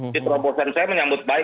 jadi promosi saya menyambut baik